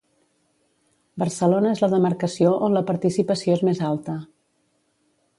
Barcelona és la demarcació on la participació és més alta.